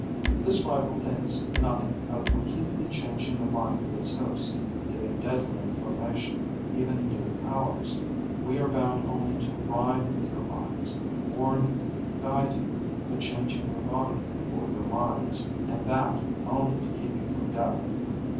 This rival thinks nothing of completely changing the mind of its host, giving deadly information, even new powers. We are bound only to ride with your minds, warn you, guide you, but changing your body before your minds, and that only to keep you from death.